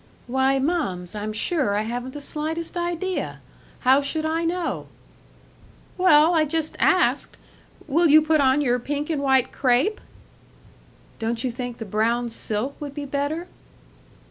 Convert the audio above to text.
"Why, mums, I'm sure I haven't the slightest idea! How should I know?" "Well, I just asked.... Will you put on your pink and white crêpe?" "Don't you think the brown silk would be better?"